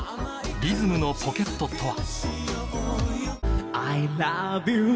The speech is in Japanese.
「リズムのポケット」とは？